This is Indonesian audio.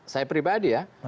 saya pribadi ya